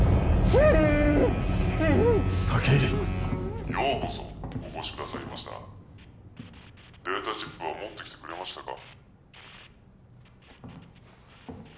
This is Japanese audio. ようこそお越しくださいましたデータチップは持ってきてくれましたか？